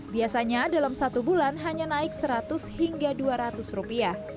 biasanya dalam satu bulan hanya naik rp seratus hingga rp dua ratus